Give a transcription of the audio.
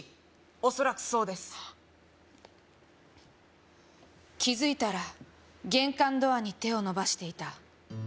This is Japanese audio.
おそらくそうです「気づいたら玄関ドアに手を伸ばしていた」